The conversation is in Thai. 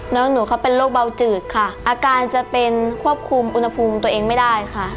น้องหนูเขาเป็นโรคเบาจืดค่ะอาการจะเป็นควบคุมอุณหภูมิตัวเองไม่ได้ค่ะ